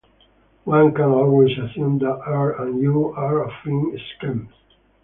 One can always assume that "R" and "U" are affine schemes.